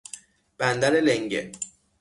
بندر لنگه